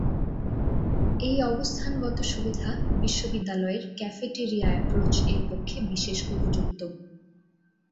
এই অবস্থানগত সুবিধা বিশ্ববিদ্যালয়ের ‘ক্যাফেটেরিয়া অ্যাপ্রোচ’-এর পক্ষে বিশেষ উপযুক্ত।